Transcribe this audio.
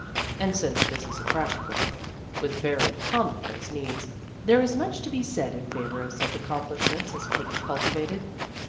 And since this is a practical world, with very commonplace needs, there is much to be said in favor of such accomplishments as Peggy cultivated.